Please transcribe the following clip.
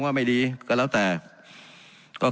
การปรับปรุงทางพื้นฐานสนามบิน